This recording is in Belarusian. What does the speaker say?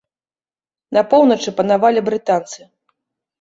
На поўначы панавалі брытанцы.